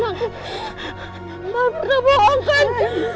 tuhan aku gak bohongkan